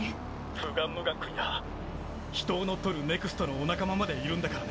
フガンムガン君や人を乗っ取るＮＥＸＴのお仲間までいるんだからね。